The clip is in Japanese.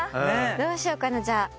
どうしようかなじゃあ。